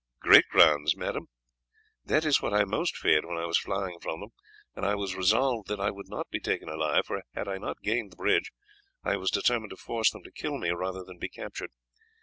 "Great grounds, madame. That is what I most feared when I was flying from them, and I was resolved that I would not be taken alive, for had I not gained the bridge I was determined to force them to kill me rather than be captured.